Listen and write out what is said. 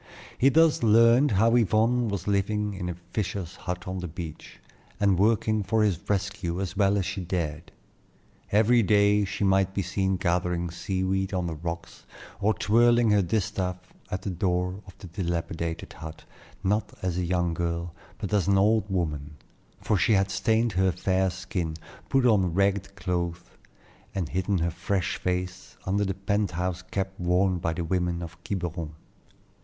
He thus learned how Yvonne was living in a fisher's hut on the beach, and working for his rescue as well as she dared. Every day she might be seen gathering sea weed on the rocks or twirling her distaff at the door of the dilapidated hut, not as a young girl, but as an old woman; for she had stained her fair skin, put on ragged clothes, and hidden her fresh face under the pent house cap worn by the women of Quiberon.